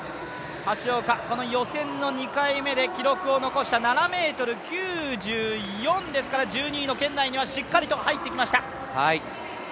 橋岡、予選の２回目で記録を残した、７ｍ９４ですから、１２位の圏内にはしっかりと入ってきました。